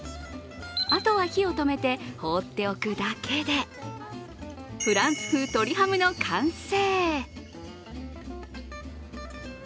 あとは火を止めて放っておくだけでフランス風、鶏ハムの完成。